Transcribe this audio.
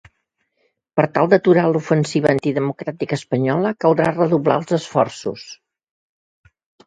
Per tal d'aturar l'ofensiva antidemocràtica espanyola caldrà redoblar els esforços.